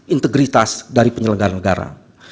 integritas dari penyelenggara negara